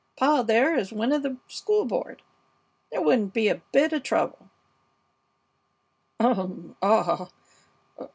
Pa, there, is one of the school board. There wouldn't be a bit of trouble " "Um! Ah!